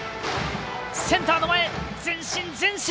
センターの前、前進、前進！